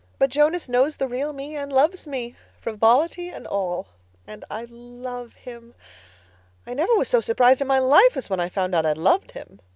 But Jonas knows the real me and loves me, frivolity and all. And I love him. I never was so surprised in my life as I was when I found out I loved him.